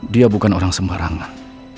dia bukan orang sembarangan